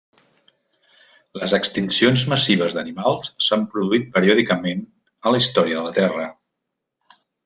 Les extincions massives d'animals s'han produït periòdicament en la història de la Terra.